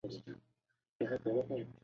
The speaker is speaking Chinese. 她说大舅舅很孝顺